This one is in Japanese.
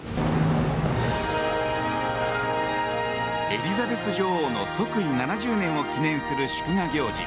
エリザベス女王の即位７０年を記念する祝賀行事